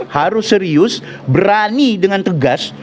harus serius berani dengan tegas